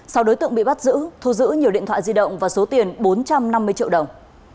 sau đối tượng bị bắt giữ thu giữ nhiều điện thoại di động và số tiền bốn trăm năm mươi triệu đồng